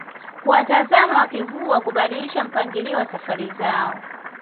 kuwatazama wakivuka kubadilisha mpangilio wa safari zao